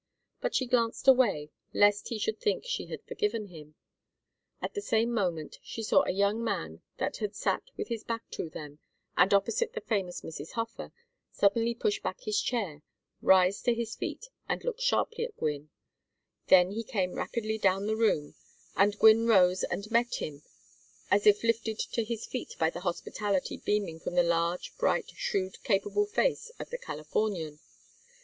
But she glanced away, lest he should think she had forgiven him. At the same moment she saw a young man that had sat with his back to them, and opposite the famous Mrs. Hofer, suddenly push back his chair, rise to his feet, and look sharply at Gwynne. Then he came rapidly down the room, and Gwynne rose and met him as if lifted to his feet by the hospitality beaming from the large bright shrewd capable face of the Californian.